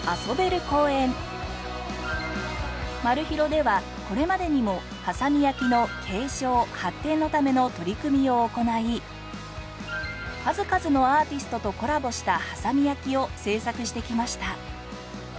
ＭＡＲＵＨＩＲＯではこれまでにも波佐見焼の継承・発展のための取り組みを行い数々のアーティストとコラボした波佐見焼を制作してきました。